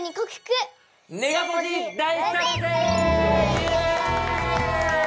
イエーイ！